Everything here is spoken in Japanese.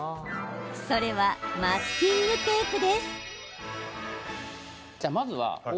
マスキングテープです。